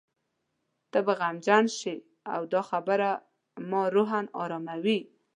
ته به غمجن شې او دا خبره ما روحاً اراموي.